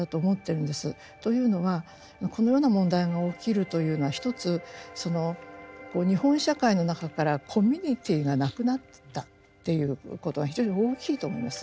というのはこのような問題が起きるというのは一つ日本社会の中からコミュニティーがなくなったっていうことが非常に大きいと思います。